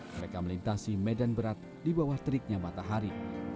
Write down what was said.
mereka melintasi medan berat di bawah teriknya matahari